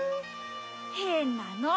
へんなの。